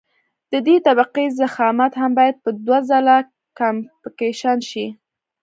د دې طبقې ضخامت هم باید په دوه ځله کمپکشن شي